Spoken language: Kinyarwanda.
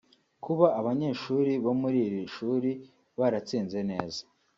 Kuba abanyeshuri bo mu iri shuli baratsinze neza